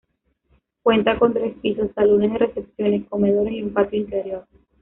Cuenta con tres pisos, salones de recepciones, comedores y un patio interior.